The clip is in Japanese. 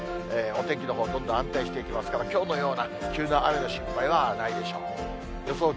お天気のほうはどんどんあんていしていきますからきょうのような急な雨の心配はないでしょう。